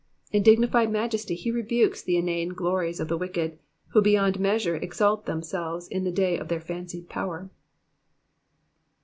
In dignified majesty he rebukes the inane glories of the wicked, who beyond measure exalt themselves in the day of their fancied power.